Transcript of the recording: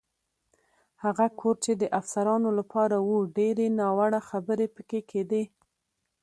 هغه کور چې د افسرانو لپاره و، ډېرې ناوړه خبرې پکې کېدې.